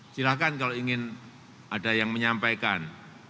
silahkan kalau ingin ada yang menyampaikan